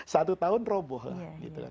satu tahun roboh lah